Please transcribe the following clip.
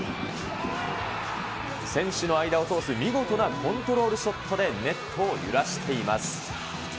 選手の間を通す見事なコントロールショットでネットを揺らしています。